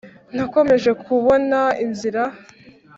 nakomeje kubona inzira,